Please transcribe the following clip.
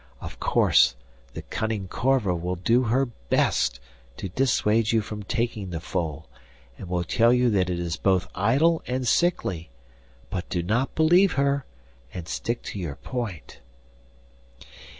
Of course the cunning Corva will do her best to dissuade you from taking the foal, and will tell you that it is both idle and sickly; but do not believe her, and stick to your point.